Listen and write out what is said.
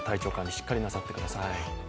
しっかりなさってください。